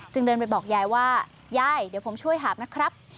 เดินไปบอกยายว่ายายเดี๋ยวผมช่วยหาบนะครับ